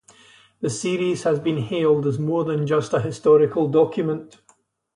The series has been hailed as more than just a historical document.